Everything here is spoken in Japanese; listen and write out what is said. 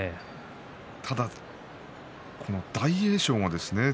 ただ、この大栄翔がですね